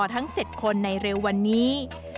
ทั้ง๗คนในเร็ววันนี้